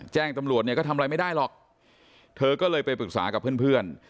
แจ้งตำรวจเนี่ยก็ทำอะไรไม่ได้หรอกเธอก็เลยไปปรึกษากับเพื่อน